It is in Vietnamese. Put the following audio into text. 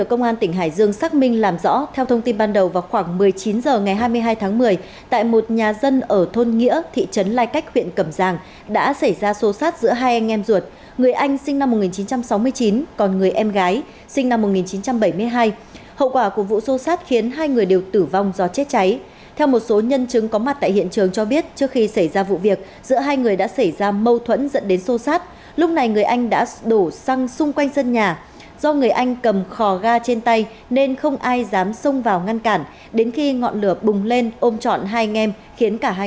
công an huyện cẩm giang tỉnh hải dương cho biết trên địa bàn vừa xảy ra một vụ xô xát trong một gia đình